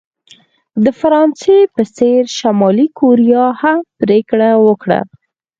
د فرانسې په څېر شلي کوریا هم پرېکړه وکړه.